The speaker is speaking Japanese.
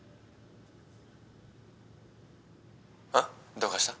どうかした？